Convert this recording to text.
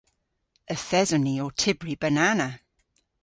Yth eson ni ow tybri banana.